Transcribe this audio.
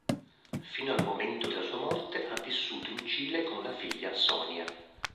Fino al momento della sua morte, ha vissuto in Cile con la figlia Sonja.